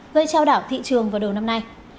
gây trao đảo thị trường vào đầu năm nay